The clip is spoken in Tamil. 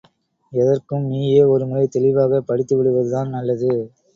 எதற்கும் நீயே ஒருமுறை தெளிவாகப் படித்துவிடுவது தான் நல்லது!